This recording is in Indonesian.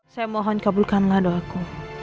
saya mohon kabulkanlah doaku